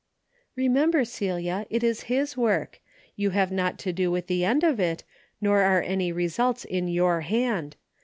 "Kemember, Celia, it is his work. You have not to do with the end of it, nor are any results in your hand.